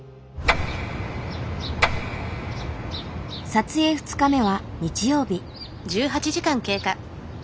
撮影２日目は日曜日。